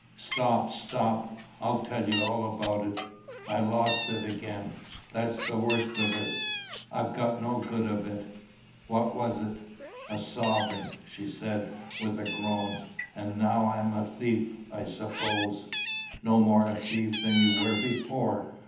"Stop, stop. I'll tell you all about it. I lost it again. That's the worst of it. I got no good of it." "What was it?" "A sovereign," she said, with a groan. "And now I'm a thief, I suppose." "No more a thief than you were before.